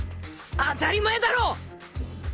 当たり前だろ！